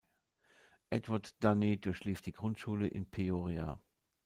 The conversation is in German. Edward Dunne durchlief die Grundschule in Peoria.